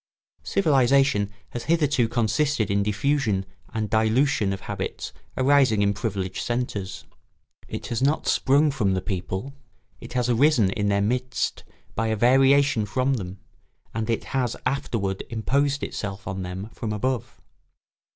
Civilisation has hitherto consisted in diffusion and dilution of habits arising in privileged centres. It has not sprung from the people; it has arisen in their midst by a variation from them, and it has afterward imposed itself on them from above.